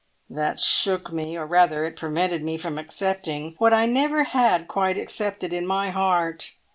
"That shook me, or rather it prevented me from accepting what I never had quite accepted in my heart.